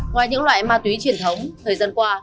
ngoài những loại ma túy truyền thống thời gian qua